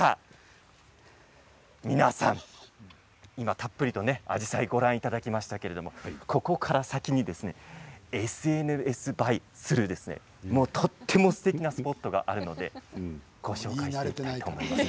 皆さん、たっぷりアジサイご覧いただきましたけれどもここから先にＳＮＳ映えする、とてもすてきなスポットがあるのでご紹介します。